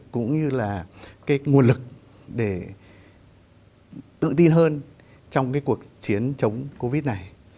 cũng như là cái nguồn lực để tự tin hơn trong cái cuộc chiến chống covid này